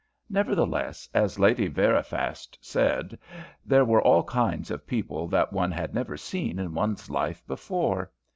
Nevertheless, as Lady Veriphast said, "There were all kinds of people that one had never seen in one's life before."